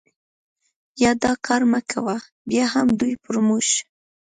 یا دا کار مه کوه، بیا هم دوی پر موږ.